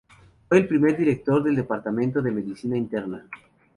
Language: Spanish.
Fue el primer Director del Departamento de Medicina Interna.